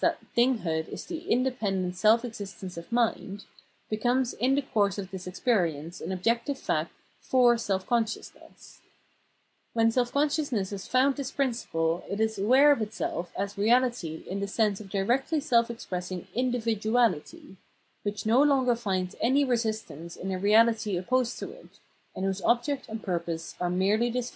that "thinghood" is the independent self existence of mind — becomes in the course of this experience an objective fact for self consciousness. When self consciousness has foimd this principle it is aware of itself as reahty in the sense of directly self expressing Individuality, which no longer finds any resistance in a reahty opposed to it, and whose object and purpose are merely this